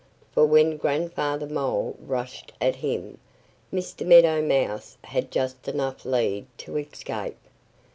For when Grandfather Mole rushed at him, Mr. Meadow Mouse had just enough lead to escape.